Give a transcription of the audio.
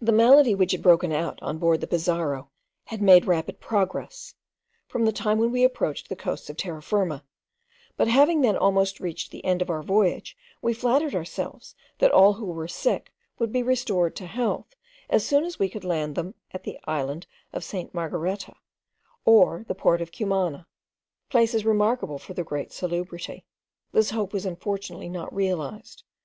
The malady which had broken out on board the Pizarro had made rapid progress, from the time when we approached the coasts of Terra Firma; but having then almost reached the end of our voyage we flattered ourselves that all who were sick would be restored to health, as soon as we could land them at the island of St. Margareta, or the port of Cumana, places remarkable for their great salubrity. This hope was unfortunately not realised.